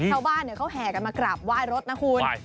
ชาวบ้านเขาแห่กันมากราบไหว้รถนะคุณ